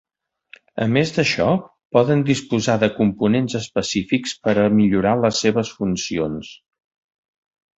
A més d’això, poden disposar de components específics per a millorar les seves funcions.